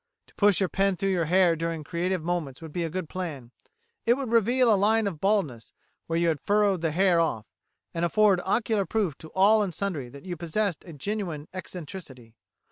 To push your pen through your hair during creative moments would be a good plan; it would reveal a line of baldness where you had furrowed the hair off, and afford ocular proof to all and sundry that you possessed a genuine eccentricity.